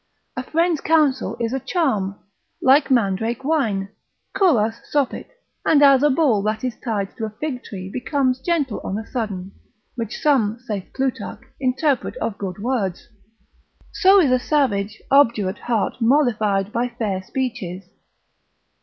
A friend's counsel is a charm, like mandrake wine, curas sopit; and as a bull that is tied to a fig tree becomes gentle on a sudden (which some, saith Plutarch, interpret of good words), so is a savage, obdurate heart mollified by fair speeches.